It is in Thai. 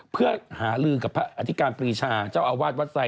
เพื่อหาลือกับพระอธิการปรีชาเจ้าอาวาสวัดไซด